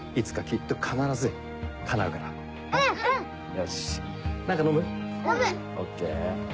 よし何か飲む？飲む！ＯＫ。